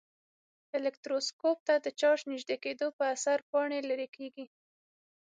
الکتروسکوپ ته د چارج نژدې کېدو په اثر پاڼې لیري کیږي.